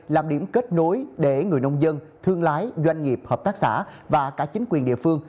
làm điểm kết nối để người nông dân thương lái doanh nghiệp hợp tác xã và cả chính quyền địa phương